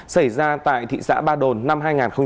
xảy ra tại thị xã ba đồn năm hai nghìn một mươi ba